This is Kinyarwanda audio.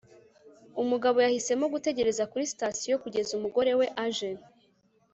umugabo yahisemo gutegereza kuri sitasiyo kugeza umugore we aje